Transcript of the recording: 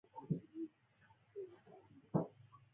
د بریا راز مهارت دی.